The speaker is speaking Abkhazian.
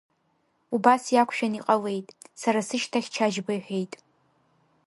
Убас иақәшәан иҟалеит, сара сышьҭахь Чачба иҳәеит.